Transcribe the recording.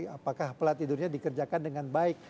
apakah pelat tidurnya dikerjakan dengan baik